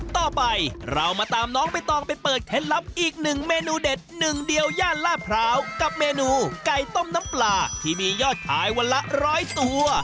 ต่อไปเรามาตามน้องใบตองไปเปิดเคล็ดลับอีกหนึ่งเมนูเด็ดหนึ่งเดียวย่านลาดพร้าวกับเมนูไก่ต้มน้ำปลาที่มียอดขายวันละร้อยตัว